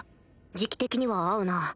時期的には合うな